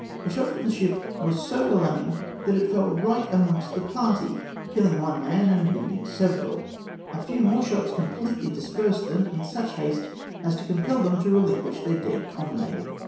A shot from the ship was so well aimed that it fell right amongst the party, kiUing one man and wounding several. A few more shots completely dispersed them in such haste as to compel them to rehnquish their dead comrade.